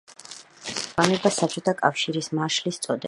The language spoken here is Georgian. შეესაბამება საბჭოთა კავშირის მარშლის წოდებას.